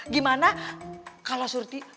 gimana kalau surti